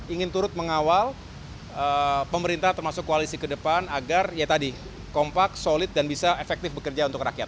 ingin turut mengawal pemerintah termasuk koalisi ke depan agar ya tadi kompak solid dan bisa efektif bekerja untuk rakyat